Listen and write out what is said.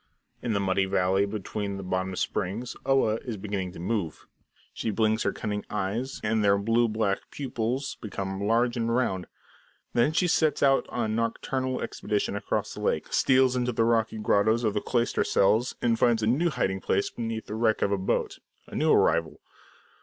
In the muddy valley between the bottom springs, Oa is beginning to move. She blinks her cunning eyes, and their blue black pupils become large and round. Then she sets out on a nocturnal expedition across the lake, steals into the rocky grottos of the cloister cells, and finds a new hiding place beneath the wreck of a boat a new arrival.